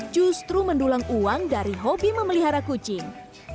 justru mendulang uang dari hobi memelihara kucing